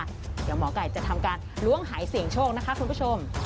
เดี๋ยวหมอไก่จะทำการล้วงหายเสี่ยงโชคนะคะคุณผู้ชม